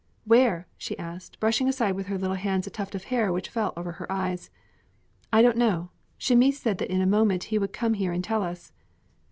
"Where?" she asked, brushing aside with her little hands a tuft of hair which fell over her eyes. "I don't know. Chamis said that in a moment he would come here and tell us."